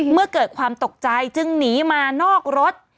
เมื่อเกิดความตกใจจึงหนีมานอกรถ